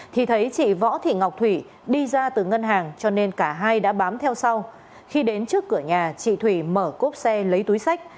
thì thấy chị võ thị ngọc thủy đi ra từ ngân hàng cho nên cả hai đã bám theo sau khi đến trước cửa nhà chị thủy mở cốp xe lấy túi sách